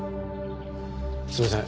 すいません